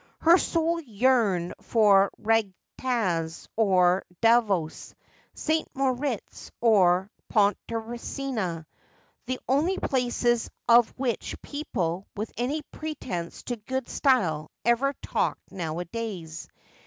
Her soul yearned for Eagatz or Davos, St. Moritz or Pontresina, the only places of which people with any pretence to good style ever talked nowadays.